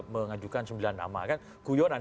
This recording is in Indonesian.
mengajukan sembilan nama kan guyonan